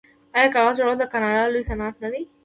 آیا کاغذ جوړول د کاناډا لوی صنعت نه دی؟